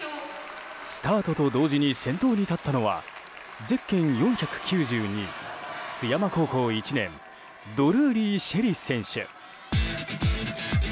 スタートと同時に先頭に立ったのはゼッケン４９２津山高校１年ドルーリー朱瑛里選手。